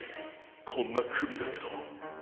こんなくびだけど。